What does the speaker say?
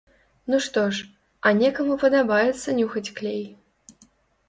Ну што ж, а некаму падабаецца нюхаць клей.